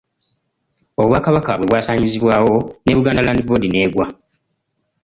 Obwakabaka bwe bwasaanyizibwawo ne Buganda Land Board n'egwa.